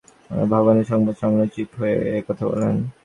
গতকাল রোববার জাতীয় সংসদ ভবনে সংবাদ সম্মেলনে চিফ হুইপ এ কথা বলেন।